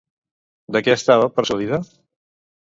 De què estava persuadida?